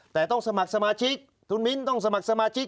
แต่ต้องสมัครสมาชิกคุณมิ้นต้องสมัครสมาชิก